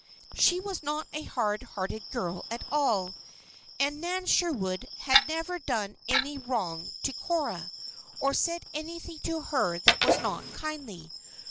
She was not a hard hearted girl at all. And Nan Sherwood had never done any wrong to Cora, or said anything to her that was not kindly.